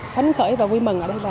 phấn khởi và vui mừng